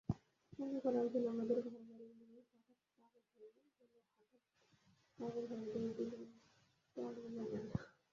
মনে করো, একদিন আমাদের ঘরবাড়িগুলোহঠাৎ পাগল হয়ে গেলহঠাৎ পাগল হয়ে দৌড় দিল দরোজা-জানালা।